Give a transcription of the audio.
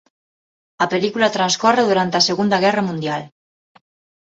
A película transcorre durante a Segunda Guerra Mundial.